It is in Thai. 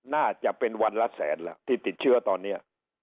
น่าจะเป็นวันละแสนแล้วที่ติดเชื้อตอนนี้